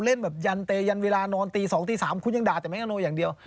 เล่นแบบยันเตยันเวลานอนตี๒ตี๓คุณยังด่าแต่แกโนอย่างเดียว